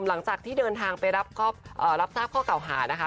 หลังจากที่เดินทางไปรับทราบข้อเก่าหานะคะ